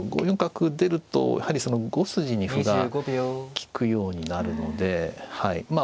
５四角出るとやはりその５筋に歩が利くようになるのではい。